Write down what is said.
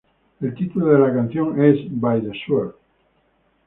El título de la canción es "By The Sword".